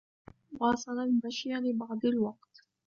واصل المشي لبعض الوقت.